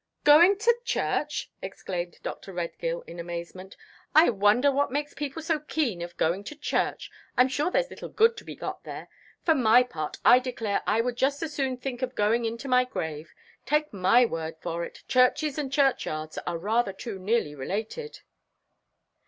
"Going to church!" exclaimed Dr. Redgill in amazement. "I wonder what makes people so keen of going to church! I'm sure there's little good to be got there. For my part, I declare I would just as soon think of going into my grave. Take my word for it, churches and churchyards are rather too nearly related."